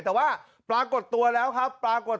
แต่ว่าปรากฏตัวแล้วครับปรากฏ